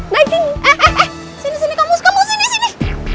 naging eh eh eh sini sini kamu kamu sini sini